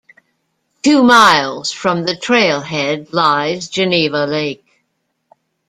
Two miles from the trailhead lies Geneva Lake.